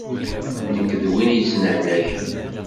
Nekk d win yettnehlaken.